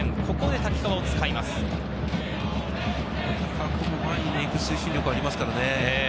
瀧川君も前に行く推進力がありますからね。